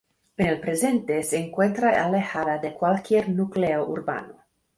En el presente se encuentra alejada de cualquier núcleo urbano.